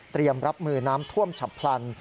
เตรียมรับมือน้ำท่วมฉับพลัน